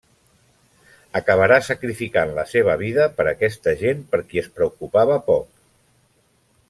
Acabarà sacrificant la seva vida per aquesta gent per qui es preocupava poc.